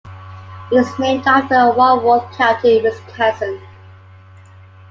It is named after Walworth County, Wisconsin.